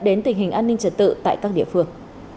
đến tình hình an ninh trật tự tại các địa phương